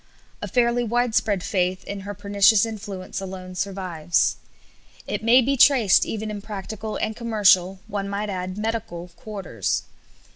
A fairly widespread faith in her pernicious influence alone survives. It may be traced even in practical and commercial one might add, medical quarters.